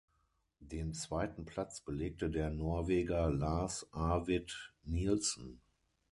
Den zweiten Platz belegte der Norweger Lars Arvid Nilsen.